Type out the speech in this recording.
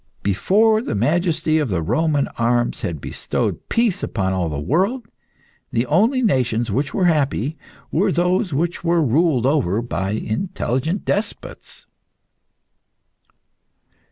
Before the majesty of the Roman arms had bestowed peace upon all the world, the only nations which were happy were those which were ruled over by intelligent despots.